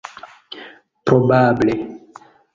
probable